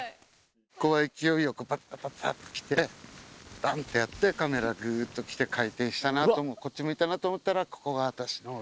ここは勢いよくパッタパッタと来てバン！ってやってカメラグっと来て回転したなこっち向いたなと思ったら「ここが私の」。